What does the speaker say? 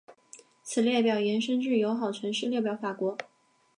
此列表延伸至友好城市列表法国。